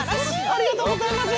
ありがとうございます。